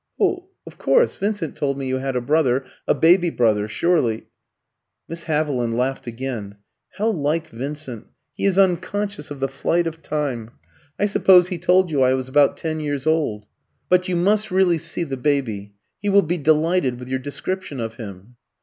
Oh, of course. Vincent told me you had a brother, a baby brother. Surely " Miss Haviland laughed again. "How like Vincent! He is unconscious of the flight of time. I suppose he told you I was about ten years old. But you must really see the baby; he will be delighted with your description of him."